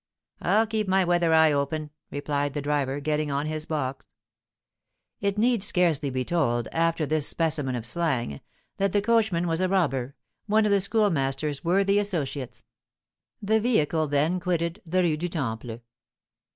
"I'll keep my weather eye open," replied the driver, getting on his box. It needs scarcely be told, after this specimen of slang, that the coachman was a robber, one of the Schoolmaster's worthy associates. The vehicle then quitted the Rue du Temple.